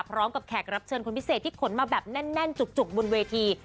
แขกรับเชิญคนพิเศษที่ขนมาแบบแน่นจุกบนเวที